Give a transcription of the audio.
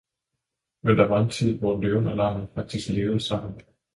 Men der var en tid, hvor løven og lammet faktisk levede sammen.